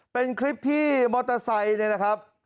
เป็นคลิปที่มอเตอร์ไซค์เนี่ยนะครับ